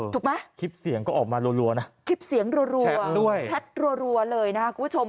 ถูกปะแชทด้วยคลิปเสียงก็ออกมารัวนะแชทรัวเลยนะคะคุณผู้ชม